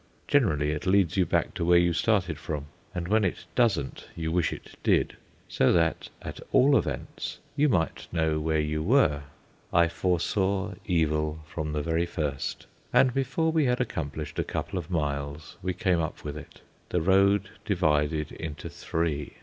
Generally, it leads you back to where you started from; and when it doesn't, you wish it did, so that at all events you might know where you were. I foresaw evil from the very first, and before we had accomplished a couple of miles we came up with it. The road divided into three.